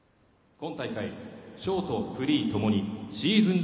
今大会ショート、フリーともにシーズンズ